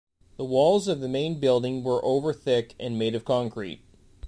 The walls of the main building were over thick and made of concrete.